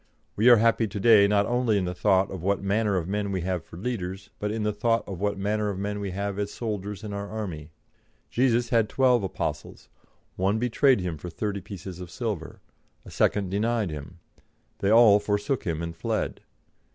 We are happy to day not only in the thought of what manner of men we have for leaders, but in the thought of what manner of men we have as soldiers in our army. Jesus had twelve apostles. One betrayed Him for thirty pieces of silver; a second denied Him. They all forsook Him and fled.